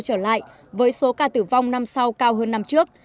trở lại với số ca tử vong năm sau cao hơn năm trước